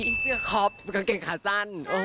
เสื้อคอปกางเกงขาสั้น